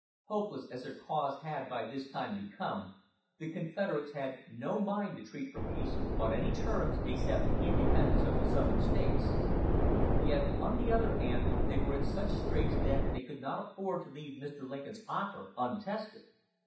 Hopeless as their cause had by this time become, the Confederates had no mind to treat for peace on any terms except independence of the southern States; yet, on the other hand, they were in such straits that they could not afford to leave Mr. Lincoln's offer untested.